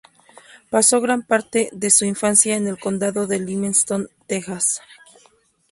Pasó gran parte de su infancia en el condado de Limestone, Texas.